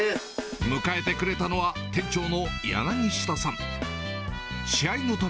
迎えてくれたのは店長の柳下さん。